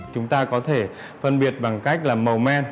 chúng ta có thể phân biệt bằng cách là màu men